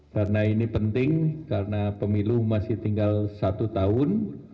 karena ini penting karena pemilu masih tinggal satu tahun